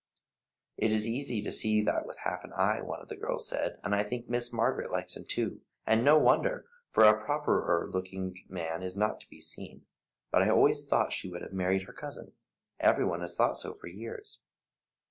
"It's easy to see that with half an eye," one of the girls said, "and I think Miss Margaret likes him too, and no wonder, for a properer looking man is not to be seen; but I always thought she would have married her cousin. Every one has thought so for years."